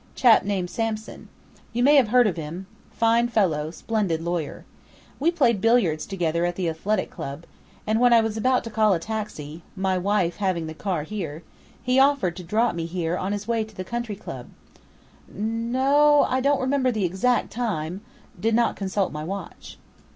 "Chap named Sampson. You may have heard of him fine fellow, splendid lawyer. We played billiards together at the Athletic Club, and when I was about to call a taxi my wife having the car here he offered to drop me here on his way to the Country Club.... N no, I don't remember the exact time, did not consult my watch."